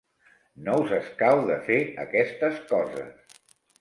No us escau de fer aquestes coses.